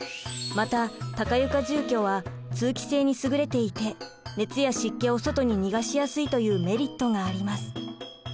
また高床住居は通気性にすぐれていて熱や湿気を外ににがしやすいというメリットがあります。